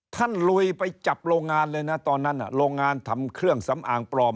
ลุยไปจับโรงงานเลยนะตอนนั้นโรงงานทำเครื่องสำอางปลอม